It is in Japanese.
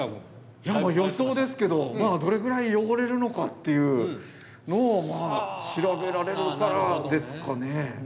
いやもう予想ですけどどれぐらい汚れるのかっていうのを調べられるからですかね。